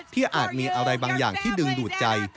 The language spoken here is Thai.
อาจมีอะไรบางอย่างที่ดึงดูดใจ